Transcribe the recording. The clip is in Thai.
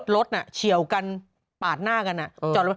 รถเฉียวกันปาดหน้ากันจอดรถ